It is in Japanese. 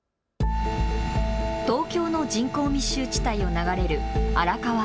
東京の人口密集地帯を流れる荒川。